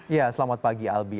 ya selamat pagi albi